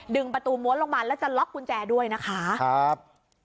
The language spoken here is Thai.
ประตูม้วนลงมาแล้วจะล็อกกุญแจด้วยนะคะครับ